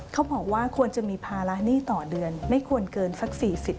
เขาบอกว่าควรจะมีภาระหนี้ต่อเดือนไม่ควรเกินสัก๔๐